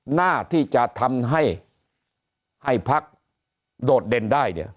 หน้าที่จะทำให้ภักดิ์โดดเด่นได้